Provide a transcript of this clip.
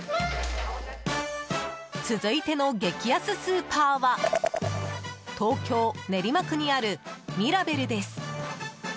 続いての激安スーパーは東京・練馬区にあるみらべるです。